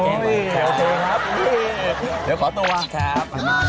เดี๋ยวขอตัว